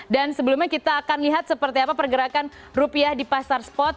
dan sebelumnya kita akan lihat seperti apa pergerakan rupiah di pasar spot